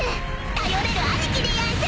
［頼れる兄貴でやんす！］